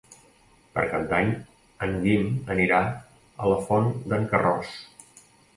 Per Cap d'Any en Guim anirà a la Font d'en Carròs.